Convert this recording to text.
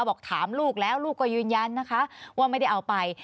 บอกถามลูกแล้วลูกก็ยืนยันนะคะว่าไม่ได้เอาไป